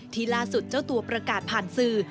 ที่ล่าสุดเจ้าตัวประกาศผ่านสื่อ